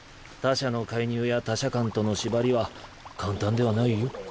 他者の介入や他者間との縛りは簡単ではないよ。